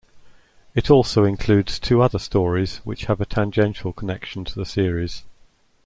It also includes two other stories which have a tangential connection to the series.